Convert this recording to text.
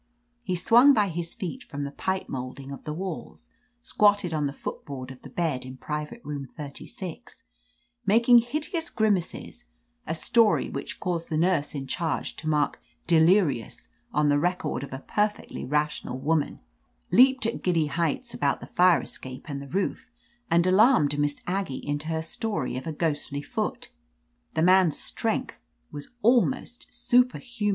He swung by his feet from the pipe molding of • the walls, squatted on the foot board of the bed in private room thirty six, making hideous grimaces — a story which caused the nurse in charge to mark 'delirious' on the record of a perfectly rational woman — ^leaped at giddy heights about the fire escape and the roof, and alarmed Miss Aggie into her story of a ghostly; foot. The man's strength was almost super human.